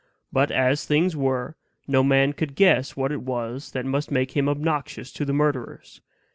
But, as things were, no man could guess what it was that must make him obnoxious to the murderers.